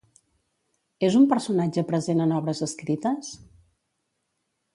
És un personatge present en obres escrites?